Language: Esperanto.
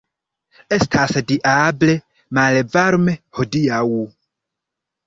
Estas diable malvarme hodiaŭ!